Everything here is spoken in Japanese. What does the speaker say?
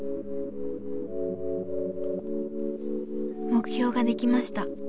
「目標ができました。